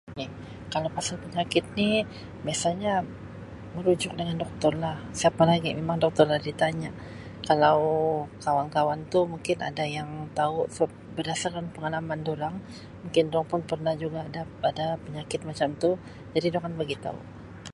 [unintelligible] Kalau pasal penyakit ni biasanya merujuk dengan Doktor lah siapa lagi memang Doktor lah ditanya kalau kawan-kawan tu mungkin ada yang tau seb berdasarkan pengalaman dorang mungkin dorang pun pernah juga dapat ada penyakit macam tu jadi dorang akan bagitau.